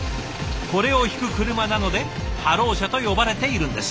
これを引く車なのでハロー車と呼ばれているんです。